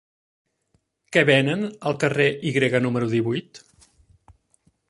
Què venen al carrer Y número divuit?